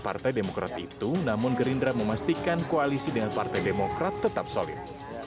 partai demokrat itu namun gerindra memastikan koalisi dengan partai demokrat tetap solid